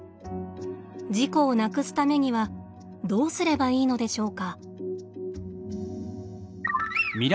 事故をなくすためにはどうすればいいのでしょうか。